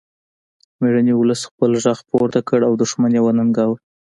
میړني ولس خپل غږ پورته کړ او دښمن یې وننګاوه